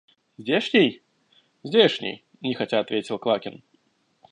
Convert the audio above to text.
Здешний? – Здешний, – нехотя ответил Квакин.